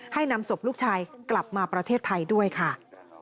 นำศพลูกชายกลับมาประเทศไทยด้วยค่ะ